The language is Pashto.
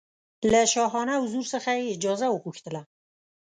له شاهانه حضور څخه یې اجازه وغوښتله.